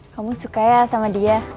kamu suka ya sama dia